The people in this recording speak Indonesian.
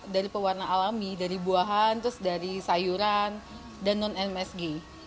dari pewarna alami dari buahan terus dari sayuran dan non msg